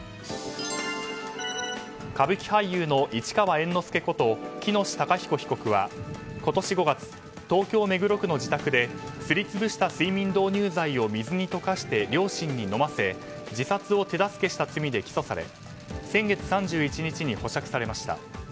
歌舞伎俳優の市川猿之助こと喜熨斗孝彦被告は今年５月東京・目黒区の自宅ですり潰した睡眠導入剤を水に溶かして両親に飲ませ自殺を手助けした罪で起訴され先月３１日に保釈されました。